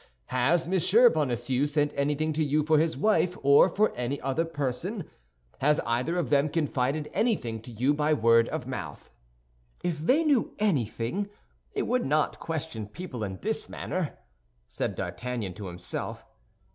Has Monsieur Bonacieux sent anything to you for his wife, or for any other person? Has either of them confided anything to you by word of mouth?" "If they knew anything, they would not question people in this manner," said D'Artagnan to himself.